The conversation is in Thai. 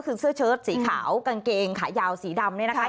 คือเสื้อเชิดสีขาวกางเกงขายาวสีดำเนี่ยนะคะ